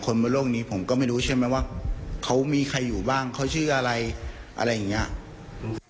บนโลกนี้ผมก็ไม่รู้ใช่ไหมว่าเขามีใครอยู่บ้างเขาชื่ออะไรอะไรอย่างเงี้ย